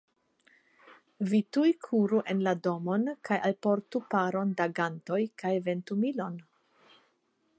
Vi tuj kuru en la domon kaj alportu paron da gantoj kaj ventumilon.